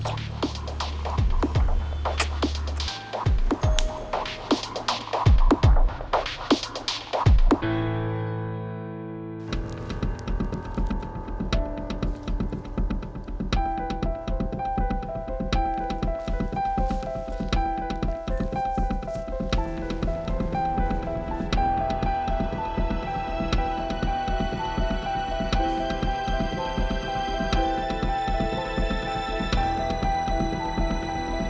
asyik berdiri jugak